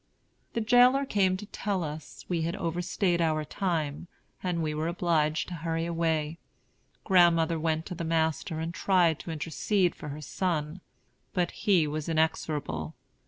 The jailer came to tell us we had overstayed our time, and we were obliged to hurry away. Grandmother went to the master and tried to intercede for her son. But he was inexorable.